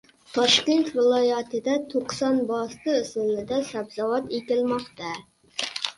Toshkent viloyatida to‘qsonbosti usulida sabzavot ekilmoqda